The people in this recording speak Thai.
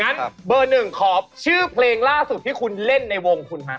เบอร์หนึ่งขอชื่อเพลงล่าสุดที่คุณเล่นในวงคุณฮะ